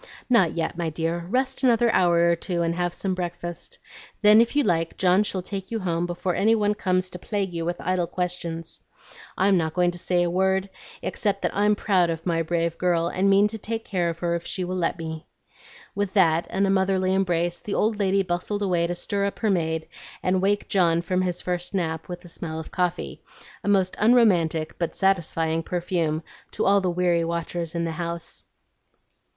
"Not yet, my dear; rest another hour or two and have some breakfast. Then, if you like, John shall take you home before any one comes to plague you with idle questions. I'm not going to say a word, except that I'm proud of my brave girl, and mean to take care of her if she will let me." With that and a motherly embrace, the old lady bustled away to stir up her maid and wake John from his first nap with the smell of coffee, a most unromantic but satisfying perfume to all the weary watchers in the house.